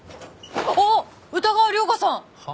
あっ歌川涼牙さん！は？